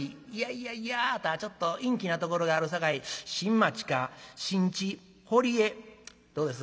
いやいやあぁたはちょっと陰気なところがあるさかい新町か新地堀江どうです？